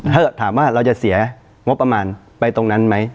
ถ้าถามว่าเราจะเสียงบประมาณไปตรงนั้นไหม